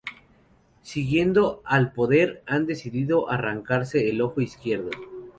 siguiendo al poder han decidido arrancarse el ojo izquierdo